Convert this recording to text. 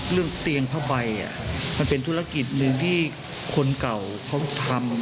เรื่องเตียงผ้าใบมันเป็นธุรกิจหนึ่งที่คนเก่าเขาทำ